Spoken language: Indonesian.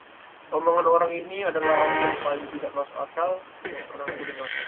Omongan orang ini adalah yang paling tidak masuk akal yang pernah aku dengar!